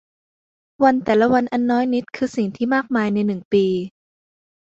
วันแต่ละวันอันน้อยนิดคือสิ่งที่มากมายในหนึ่งปี